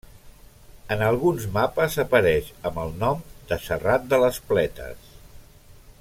En alguns mapes apareix amb el nom de Serrat de les Pletes.